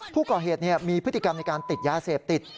ผู้ก่อเหตุมีพฤติกรรมในการติดยาเสพติด